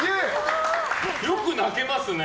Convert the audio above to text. よく泣けますね。